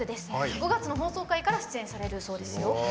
５月の放送回から出演されるそうです。